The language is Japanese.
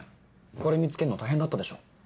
これ見つけるの大変だったでしょ。